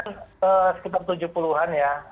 sekitar tujuh puluh an ya